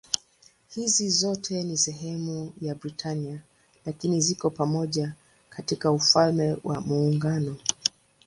Hizi zote si sehemu ya Britania lakini ziko pamoja katika Ufalme wa Muungano.